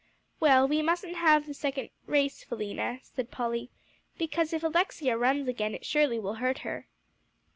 "Well, we mustn't have the second race, Philena," said Polly; "because if Alexia runs again, it surely will hurt her."